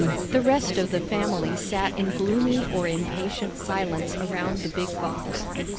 The rest of the family sat in gloomy or impatient silence around the big box.